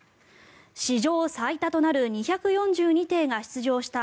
史上最多となる２４２艇が出場した